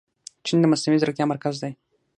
چین د مصنوعي ځیرکتیا مرکز دی.